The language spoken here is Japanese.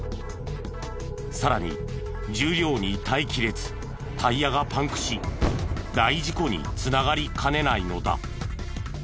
さらに重量に耐えきれずタイヤがパンクし大事故に繋がりかねないのだ。